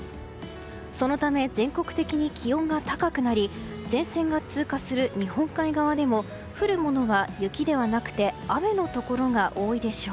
そのため全国的に気温が高くなり前線が通過する日本海側でも降るものは雪ではなくて雨のところが多いでしょう。